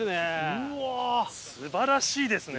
うわ素晴らしいですね。